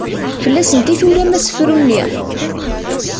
Fell-asent i turam asefru-nni?